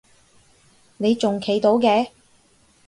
你仲企到嘅？